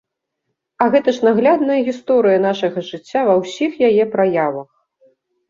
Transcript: А гэта ж наглядная гісторыя нашага жыцця ва ўсіх яе праявах!